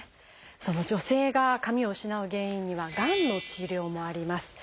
女性が髪を失う原因にはがんの治療もあります。